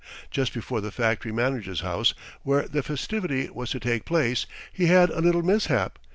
Just before the factory manager's house, where the festivity was to take place, he had a little mishap.